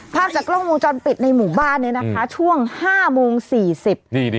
ภาพจากกล้องมุมจรปิดในหมู่บ้านเนี้ยนะคะช่วงห้าโมงสี่สิบนี่นี่